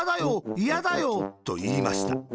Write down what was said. いやだよ。」と、いいました。